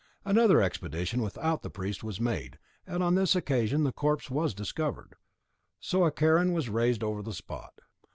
Another expedition without the priest was made, and on this occasion the corpse was discovered; so a cairn was raised over the spot.